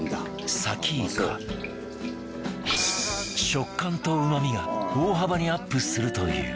食感とうまみが大幅にアップするという